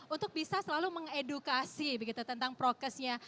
untuk bisa selalu mengedukasi begitu tentang prokesnya